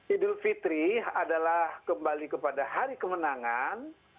idul fitri adalah kembali kepada hari kemenangan